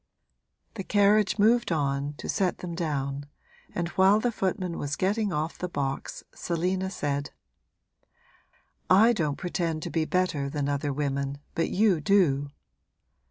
The carriage moved on, to set them down, and while the footman was getting off the box Selina said: 'I don't pretend to be better than other women, but you do!'